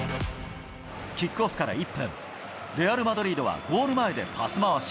キックオフから１分、レアル・マドリードはゴール前でパス回し。